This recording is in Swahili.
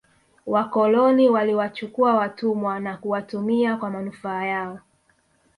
wakoloni waliwachukua watumwa na kuwatumia kwa manufaa yao